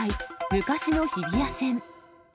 昔の日比谷線。